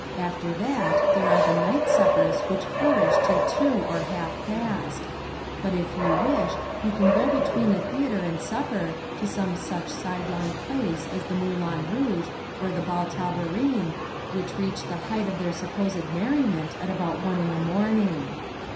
After that there are the night suppers which flourish till two or half past. But if you wish, you can go between the theater and supper to some such side long place as the Moulin Rouge or the Bal Tabarin, which reach the height of their supposed merriment at about one in the morning.